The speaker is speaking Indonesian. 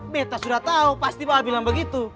beta sudah tahu pasti pak bilang begitu